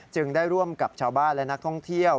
ได้ร่วมกับชาวบ้านและนักท่องเที่ยว